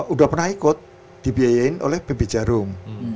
udah pernah ikut dibiayain oleh pb jarum